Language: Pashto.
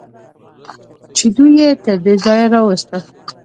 چې دوی یې تر دې ځایه راوستل.